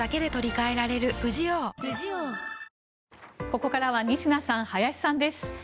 ここからは仁科さん、林さんです。